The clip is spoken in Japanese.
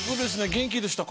元気でしたかな。